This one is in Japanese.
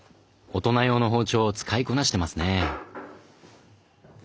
大人用の包丁を使いこなしてますね。